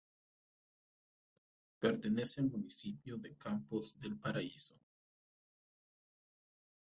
Pertenece al municipio de Campos del Paraíso.